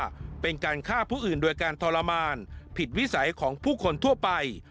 ว่าเป็นการฆ่าผู้อื่นโดยการทรมานผิดวิสัยของผู้คนทั่วไป